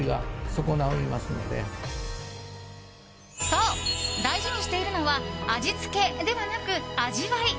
そう、大事にしているのは味付けではなく味わい。